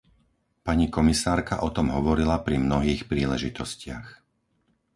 Pani komisárka o tom hovorila pri mnohých príležitostiach.